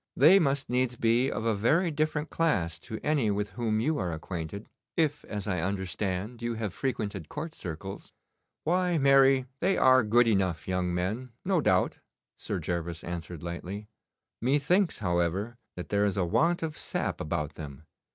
They must needs be of a very different class to any with whom you are acquainted, if, as I understand, you have frequented court circles.' 'Why, marry, they are good enough young men, no doubt,' Sir Gervas answered lightly. 'Methinks, however, that there is a want of sap about them.